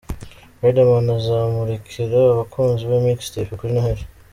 Riderman azamurikira abakunzi be Mixtape kuri Noheli.